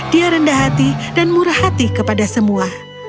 dia rendah hati dan murah hati kepada semua